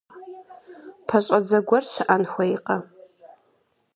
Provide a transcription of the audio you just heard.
ПэщӀэдзэ гуэр щыӀэн хуейкъэ?